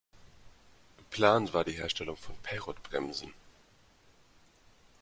Geplant war die Herstellung von Perrot-Bremsen.